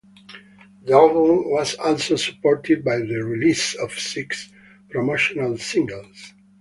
The album was also supported by the release of six promotional singles.